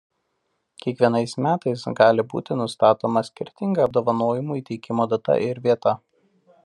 Kiekvienais metais gali būti nustatoma skirtinga apdovanojimų įteikimo data ir vieta.